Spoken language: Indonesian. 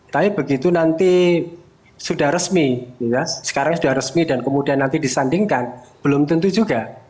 tapi begitu nanti sudah resmi sekarang sudah resmi dan kemudian nanti disandingkan belum tentu juga